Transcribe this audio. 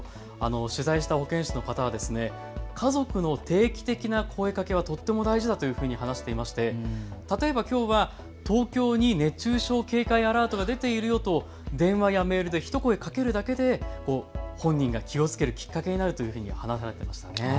取材した保健師の方は家族の定期的な声かけはとっても大事だというふうに話していて例えばきょうは東京に熱中症警戒アラートが出ているよと電話やメールでひと声かけるだけで本人が気をつけるきっかけになると話されていました。